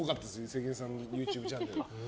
関根さんのＹｏｕＴｕｂｅチャンネル。